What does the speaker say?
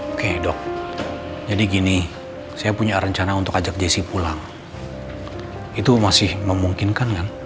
oke dok jadi gini saya punya rencana untuk ajak jessi pulang itu masih memungkinkan kan